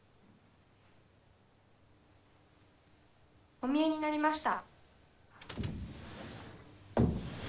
お見えになりました。